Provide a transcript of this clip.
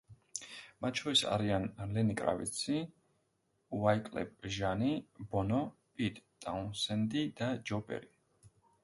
მათ შორის არიან: ლენი კრავიცი, უაიკლეფ ჟანი, ბონო, პიტ ტაუნსენდი და ჯო პერი.